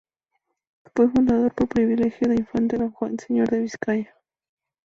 Fue fundada por privilegio del infante Don Juan, Señor de Vizcaya.